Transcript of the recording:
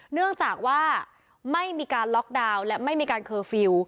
เนื่องจากว่าไม่มีการล็อกดาวน์และไม่มีการเคอร์ฟิลล์